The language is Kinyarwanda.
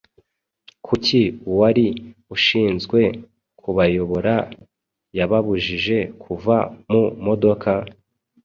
Kuki uwari ushinzwe kubayobora yababujije kuva mu modoka?